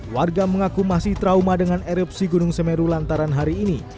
warga mengaku masih trauma dengan erupsi gunung semeru lantaran hari ini